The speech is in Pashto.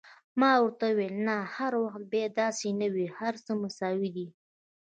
ما ورته وویل: نه، هر وخت بیا داسې نه وي، هر څه مساوي دي.